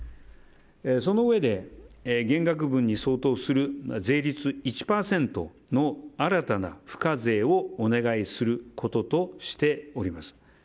そのうえで、減額分に相当する税率１％の新たな付加税をお願いすることとしております。